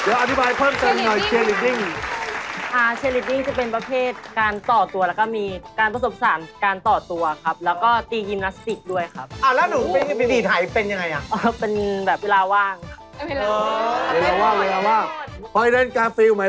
แล้วก็ตียิมนาสติกด้วยครับ